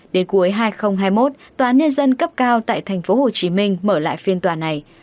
đến cuối hai nghìn hai mươi một tòa án nhà dân cấp cao tại thành phố hồ chí minh mở lại phiên tòa này